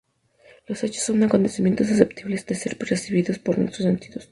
Los hechos son acontecimientos susceptibles de ser percibidos por nuestros sentidos.